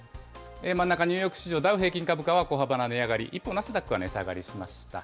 真ん中、ニューヨーク市場、ダウ平均株価は小幅な値上がり、一方、ナスダックは値下がりしました。